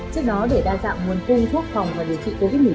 trước đó để đa dạng nguồn cung thuốc phòng và điều trị covid một mươi chín